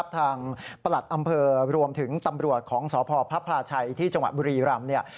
ประหลัดอำเภอรวมถึงตำรวจของสพพระพลาชัยที่จังหวัดบุรีรำเนี่ย